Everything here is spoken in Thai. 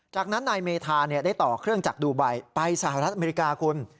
จากนั้นนายเมธาได้ต่อเครื่องจักรดูไบไปสหรัฐอเมริกาคุณ